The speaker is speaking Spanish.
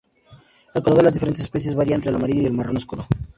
El color de las diferentes especies varía entre el amarillo y el marrón oscuro.